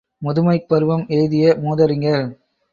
முதுமைப் பருவம் எய்திய மூதறிஞர்.